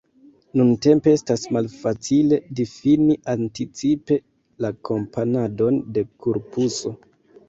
Nuntempe, estas malfacile difini anticipe la komponadon de korpuso.